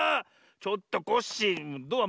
ちょっとコッシードア